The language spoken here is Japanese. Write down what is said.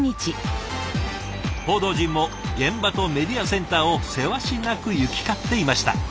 報道陣も現場とメディアセンターをせわしなく行き交っていました。